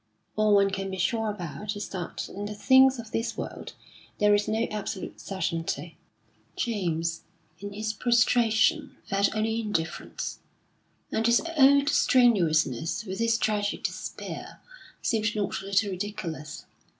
All one can be sure about is that in the things of this world there is no absolute certainty. James, in his prostration, felt only indifference; and his old strenuousness, with its tragic despair, seemed not a little ridiculous.